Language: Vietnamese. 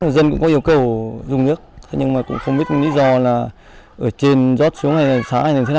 dân cũng có yêu cầu dùng nước nhưng mà cũng không biết lý do là ở trên rót xuống hay xá hay thế nào